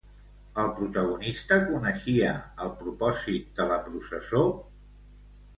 El protagonista coneixia el propòsit de la processó?